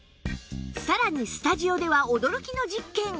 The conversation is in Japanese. さらにスタジオでは驚きの実験